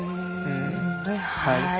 はい。